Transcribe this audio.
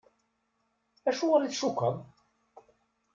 Acuɣer i tcukkeḍ?